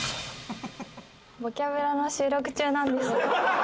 「『ボキャブラ』の収録中なんですよ」